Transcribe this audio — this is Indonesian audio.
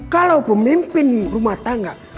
kalau pemimpin rumah tangga berkelakuan buruk